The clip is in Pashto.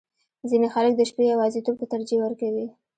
• ځینې خلک د شپې یواځیتوب ته ترجیح ورکوي.